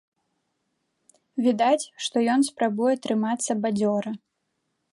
Відаць, што ён спрабуе трымацца бадзёра.